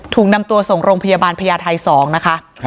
ถูกนำตัวส่งโรงพยาบาลพญาไทย๒นะคะ